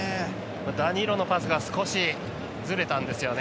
ダニーロのパスが少しズレたんですよね。